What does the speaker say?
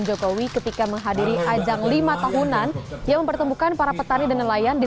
jokowi ketika menghadiri ajang lima tahunan yang mempertemukan para petani dan nelayan di